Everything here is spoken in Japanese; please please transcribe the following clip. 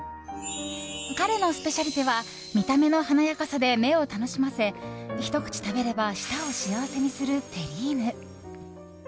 彼のスペシャリテは見た目の華やかさで目を楽しませひと口食べれば舌を幸せにするテリーヌ。